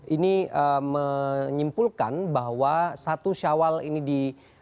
ini menyimpulkan bahwa satu syawal ini di